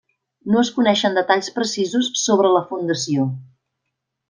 No es coneixen detalls precisos sobre la fundació.